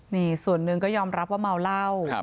นี่ส่วนหนึ่งก็ยอมรับว่าเมาเหล้า